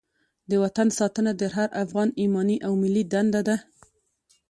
د وطن ساتنه د هر افغان ایماني او ملي دنده ده.